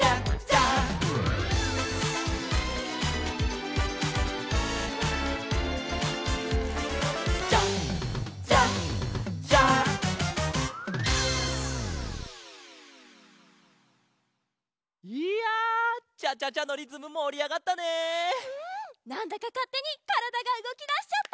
うんなんだかかってにからだがうごきだしちゃった！